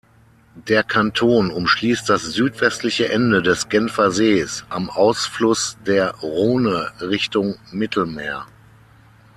Der Kanton umschliesst das südwestliche Ende des Genfersees, am Ausfluss der Rhone Richtung Mittelmeer.